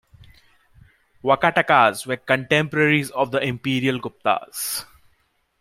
Vakatakas were contemporaries of the Imperial Guptas.